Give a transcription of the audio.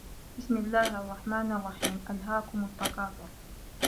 بِسمِ اللَّهِ الرَّحمنِ الرَّحيمِ أَلهاكُمُ التَّكاثُرُ